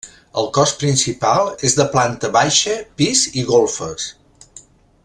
El cos principal és de planta baixa, pis i golfes.